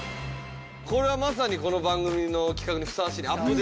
これはまさにこの番組の企画にふさわしいね。